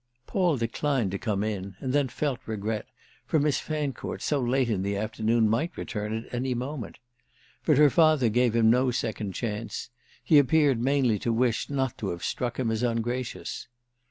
Paul declined to come in, and then felt regret, for Miss Fancourt, so late in the afternoon, might return at any moment. But her father gave him no second chance; he appeared mainly to wish not to have struck him as ungracious.